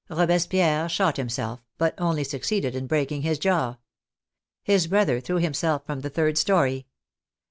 Robespierre shot himself, but only succeeded in breaking his jaw. His brother threw himself from the third story.